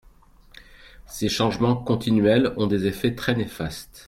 Ces changements continuels ont des effets très néfastes.